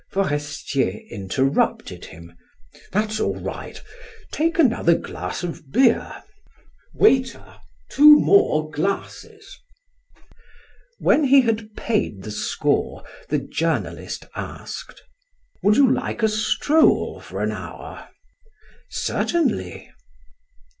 Forestier interrupted him: "That's all right, take another glass of beer. Waiter, two more glasses!" When he had paid the score, the journalist asked: "Would you like a stroll for an hour?" "Certainly."